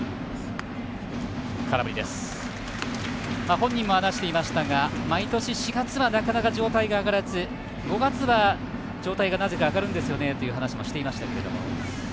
本人も話していましたが毎年４月はなかなか状態が上がらず５月は状態がなぜか上がるんですよねと話もしていましたけれども。